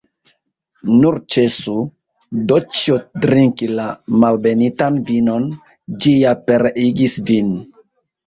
Nur ĉesu, Doĉjo, drinki la malbenitan vinon; ĝi ja pereigis vin!